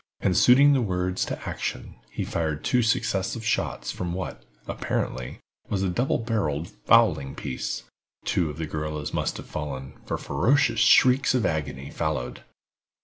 And suiting the words to action, he fired two successive shots from what, apparently, was a double barrel fowling piece. Two of the guerrillas must have fallen, for ferocious shrieks of agony followed.